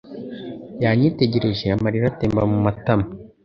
Yanyitegereje amarira atemba mumatama